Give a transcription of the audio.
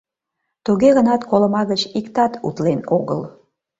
Туге гынат колыма гыч иктат утлен огыл.